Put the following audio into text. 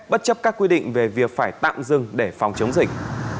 bất chấp các quy định về việc phải tạm dừng để phòng chống dịch